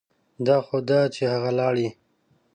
دا خو ده چې هغه لاړې.